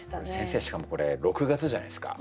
しかもこれ６月じゃないですか。